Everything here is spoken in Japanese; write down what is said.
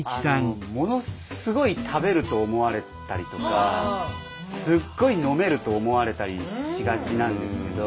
ものすごい食べると思われたりとかすっごい飲めると思われたりしがちなんですけど。